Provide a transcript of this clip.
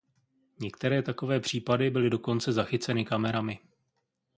Některé takové případy byly dokonce zachyceny kamerami.